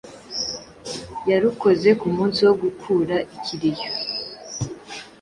yarukoze ku munsi wo gukura ikiriyo